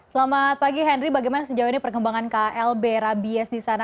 selamat pagi henry bagaimana sejauh ini perkembangan klb rabies di sana